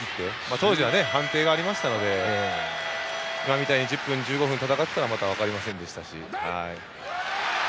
当時は判定がありましたので今みたいに１０分、１５分戦っていたらまた分かりませんでしたし。